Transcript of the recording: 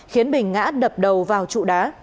khiến bình ngã đập đầu vào trụ đá